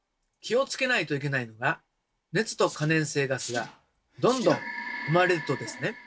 気を付けないといけないのが熱と可燃性ガスがどんどん生まれるとですね。